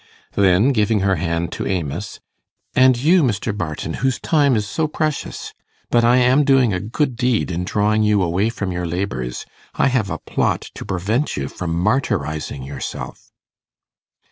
Then, giving her hand to Amos, 'And you, Mr. Barton, whose time is so precious! But I am doing a good deed in drawing you away from your labours. I have a plot to prevent you from martyrizing yourself.